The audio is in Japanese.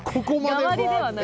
「がわり」ではない。